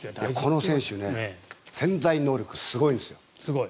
この選手は潜在能力がすごいんですよ。